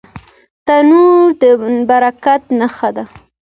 تنور د برکت نښه ده